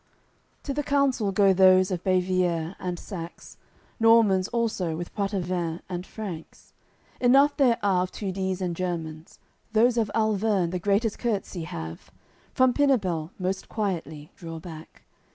CCLXXV To th' counsel go those of Bavier and Saxe, Normans also, with Poitevins and Franks; Enough there are of Tudese and Germans. Those of Alverne the greatest court'sy have, From Pinabel most quietly draw back.